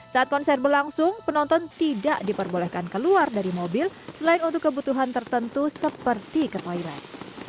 saat konser berlangsung penonton tidak diperbolehkan keluar dari mobil selain untuk kebutuhan tertentu seperti ke toilet